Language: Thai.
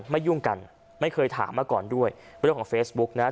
ยุ่งกันไม่เคยถามมาก่อนด้วยเรื่องของเฟซบุ๊กนะฮะ